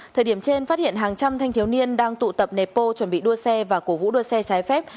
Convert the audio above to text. thời điểm trên phát hiện hàng trăm thanh thiếu niên đang tụ tập nẹp bô chuẩn bị đua xe và cổ vũ đua xe trái phép